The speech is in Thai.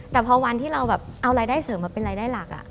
แต่พอวันที่เราแบบเอารายได้เสริมมาเป็นรายได้หลัก